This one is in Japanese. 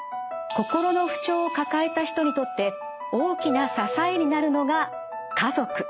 心の不調を抱えた人にとって大きな支えになるのが家族。